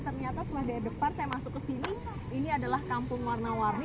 ternyata setelah dari depan saya masuk ke sini ini adalah kampung warna warni